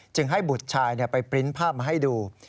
ให้บุตรชายไปปริ้นต์ภาพมาให้ดู